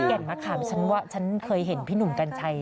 แก่นมะขามฉันเคยเห็นพี่หนุ่มกัญชัย